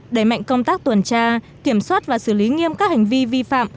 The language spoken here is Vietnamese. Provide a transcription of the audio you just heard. đẩy mạnh công tác tuần tra kiểm soát và xử lý nghiêm các hành vi vi phạm